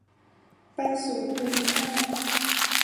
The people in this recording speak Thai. ไปสู่ภูมิภาค